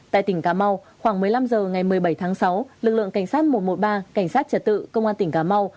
tại tỉnh cà mau khoảng một mươi năm h ngày một mươi bảy tháng sáu lực lượng cảnh sát một trăm một mươi ba cảnh sát trật tự công an tỉnh cà mau